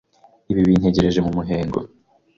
Ibi bebitengerije mu muhengo